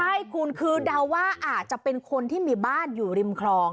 ใช่คุณคือเดาว่าอาจจะเป็นคนที่มีบ้านอยู่ริมคลอง